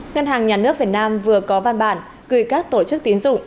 ngân hàng nhà nước việt nam vừa có văn bản gửi các tổ chức tiến dụng